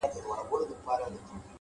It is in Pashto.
پرمختګ جرئت غواړي